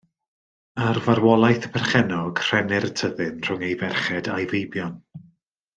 Ar farwolaeth y perchennog, rhennir y tyddyn rhwng ei ferched a'i feibion.